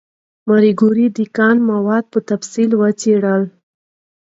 ماري کوري د کان مواد په تفصیل وڅېړل.